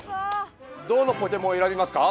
どのポケモンを選びますか？